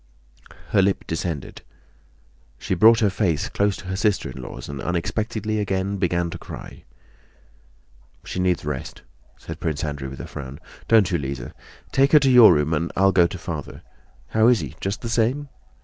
Her lip descended. She brought her face close to her sister in law's and unexpectedly again began to cry. "She needs rest," said Prince Andrew with a frown. "Don't you, Lise? Take her to your room and I'll go to Father. How is he? Just the same?"